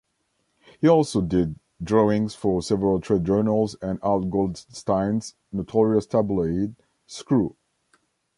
He also did drawings for several trade journals and Al Goldstein's notorious tabloid "Screw".